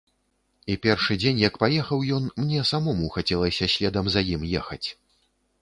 І першы дзень, як паехаў ён, мне самому хацелася следам за ім ехаць.